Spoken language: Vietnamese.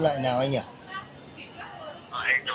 lấy gói nhặt thêm một trăm linh k